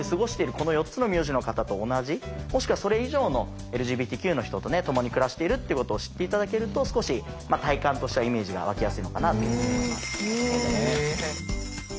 この４つの名字の方と同じもしくはそれ以上のＬＧＢＴＱの人と共に暮らしているっていうことを知って頂けると少し体感としてはイメージが湧きやすいのかなあというふうに思います。